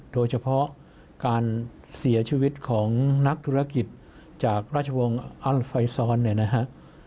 โดยเฉพาะการเสียชีวิตของนักธุรกิจจากราชวงศ์อัลไฟซอนเนี่ยนะฮะ